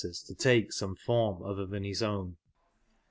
t,o take some form other than his own.